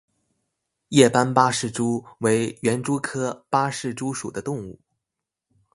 叶斑八氏蛛为园蛛科八氏蛛属的动物。